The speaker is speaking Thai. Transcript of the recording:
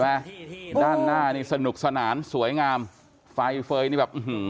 ค่ะด้านหน้านี่สนุกสนานสวยงามแบบฟ่ายนี่แบบเอาหึม